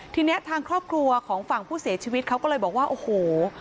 ทีนี้ทางครอบครัวของฝั่งผู้เสียชีวิตเขาก็เลยบอกว่าโอ้โห